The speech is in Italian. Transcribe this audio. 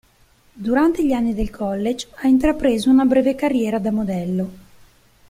Durante gli anni del college ha intrapreso una breve carriera da modello.